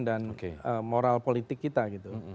dan moral politik kita gitu